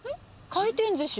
回転寿司？